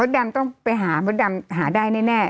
ดำต้องไปหามดดำหาได้แน่